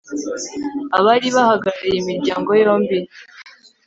abari bahagarariye imiryango yombi